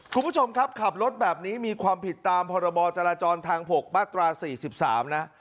คุณผู้ชมครับขับรถแบบนี้มีความผิดตามพรจทาง๖บ๔๓นะ